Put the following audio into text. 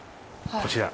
こちら。